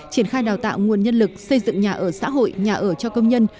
triển khai đào tạo nguồn nhân lực xây dựng nhà ở xã hội nhà ở cho công nhân